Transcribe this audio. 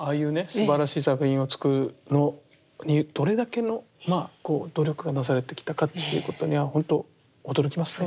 すばらしい作品を作るのにどれだけの努力がなされてきたかっていうことにはほんと驚きますね。